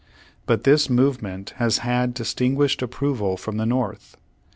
But this movement has had distinguished approval from the North.